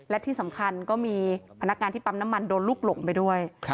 และที่สำคัญก็มีพนักงานที่ปั๊มน้ำมันโดนลูกหลงไปด้วย